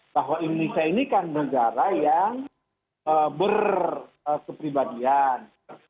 bahwa indonesia ini kan negara yang berkepribadian